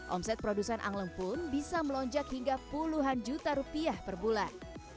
omset produsen angleng pun bisa melonjak hingga puluhan juta rupiah per bulan